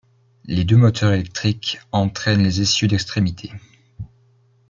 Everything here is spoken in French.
Les deux moteurs électriques entraînent les essieux d'extrémité.